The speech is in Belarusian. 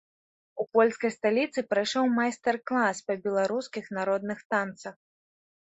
У польскай сталіцы прайшоў майстар-клас па беларускіх народных танцах.